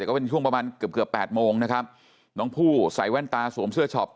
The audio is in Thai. ก็เป็นช่วงประมาณเกือบเกือบแปดโมงนะครับน้องผู้ใส่แว่นตาสวมเสื้อช็อป